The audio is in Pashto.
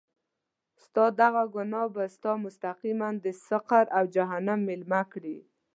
ستا دغه ګناه به تا مستقیماً د سقر او جهنم میلمه کړي.